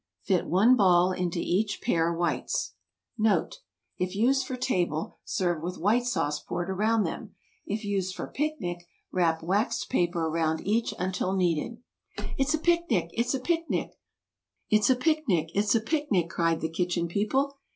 Fit one ball into each pair whites. NOTE. If used for table, serve with White Sauce poured around them. If used for picnic, wrap waxed paper around each until needed. [Illustration: Stuffed Eggs.] "It's a picnic! It's a picnic!" cried the Kitchen People.